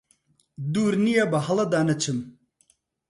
دوور نییە بەهەڵەدا نەچم